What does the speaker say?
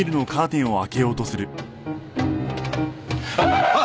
あっ！